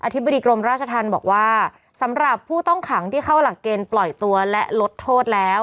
ธิบดีกรมราชธรรมบอกว่าสำหรับผู้ต้องขังที่เข้าหลักเกณฑ์ปล่อยตัวและลดโทษแล้ว